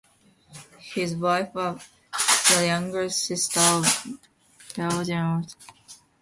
His wife was the younger sister of fellow general Takashima Tomonosuke.